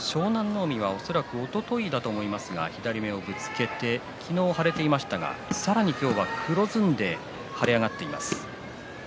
海は恐らくおとといだと思いますが左眉をぶつけて昨日、腫れていましたがさらに黒ずんでいます。